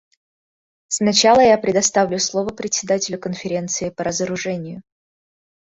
Сначала я предоставлю слово Председателю Конференции по разоружению.